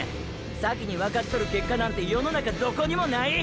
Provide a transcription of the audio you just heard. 先にわかっとる結果なんて世の中どこにもない！！